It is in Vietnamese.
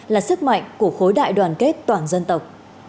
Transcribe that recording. là sức mạnh của khối đại đoàn kết toàn dân tộc